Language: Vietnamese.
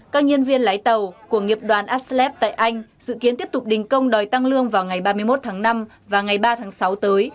các nhân viên lái tàu của nghiệp đoàn aslev tại anh dự kiến tiếp tục đình công đòi tăng lương vào ngày ba mươi một tháng năm và ngày ba tháng sáu tới